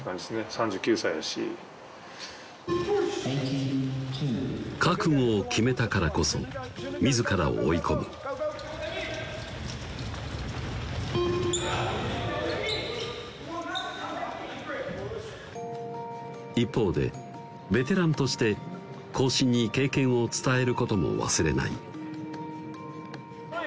３９歳やし覚悟を決めたからこそ自らを追い込む一方でベテランとして後進に経験を伝えることも忘れない